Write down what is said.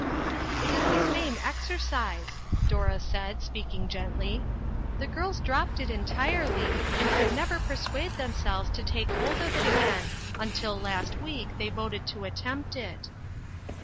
" It is the same exercise," Dora said, speaking gently. " The girls dropped it entirely, and could never persuade them selves to take hold of it again, until last week they voted to attempt it."